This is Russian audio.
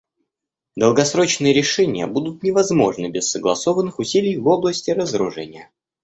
Долгосрочные решения будут невозможны без согласованных усилий в области разоружения.